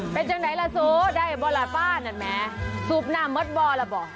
เป็นจังไหนล่ะโสได้บอราป้านั่นแม้สูบหน้าเมิร์ดบ่อล่ะบอก